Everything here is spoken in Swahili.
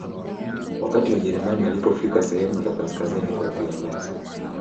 Wakati Wajerumani walipofika sehemu za kaskazini kwa Ziwa Nyasa